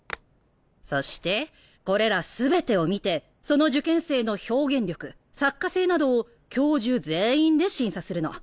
そしてこれら全てを見てその受験生の表現力作家性などを教授全員で審査するの。